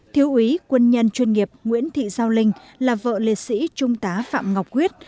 thiếu úy quân nhân chuyên nghiệp nguyễn thị giao linh là vợ liệt sĩ trung tá phạm ngọc quyết